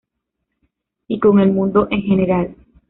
Y con el mundo en general.